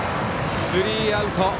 スリーアウト。